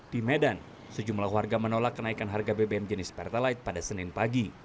di medan sejumlah warga menolak kenaikan harga bbm jenis pertalite pada senin pagi